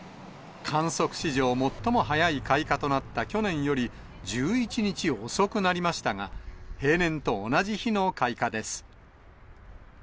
観測史上最も早い開花となった去年より、１１日遅くなりましたが、平年と同じ日の開花です。